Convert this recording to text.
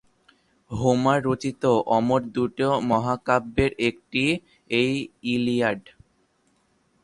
Homer রচিত অমর দুই মহাকাব্যের একটি এই ইলিয়াড।